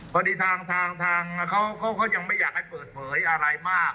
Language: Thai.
พอดีทางเขายังไม่อยากให้เปิดเผยอะไรมาก